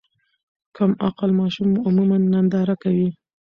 کم عقل ماشومان عموماً ننداره کوي.